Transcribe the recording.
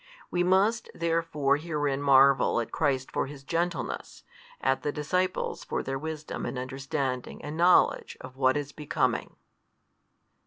We must therefore herein marvel at Christ for His gentleness, at the disciples for their wisdom and understanding and knowledge of what is becoming.